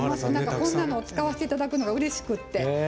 こんなのを使わせていただくのがうれしくって。